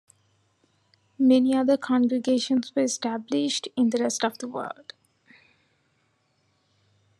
Many other congregations were established in the rest of the world.